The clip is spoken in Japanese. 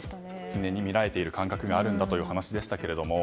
常に見られている感覚があるというお話でした。